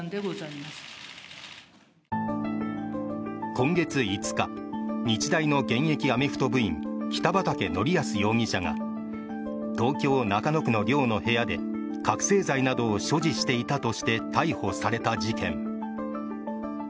今月５日日大の現役アメフト部員北畠成文容疑者が東京・中野区の寮の部屋で覚醒剤などを所持していたとして逮捕された事件。